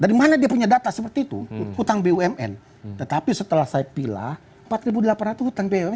empat ribu delapan ratus dari mana dia punya data seperti itu utang bumn tetapi setelah saya pilih empat ribu delapan ratus